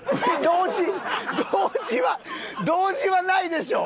同時は同時はないでしょ！